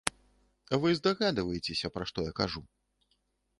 Вы здагадваецеся, пра што я кажу.